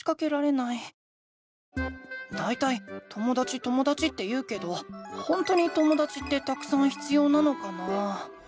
だいたいともだちともだちって言うけどほんとにともだちってたくさん必要なのかな？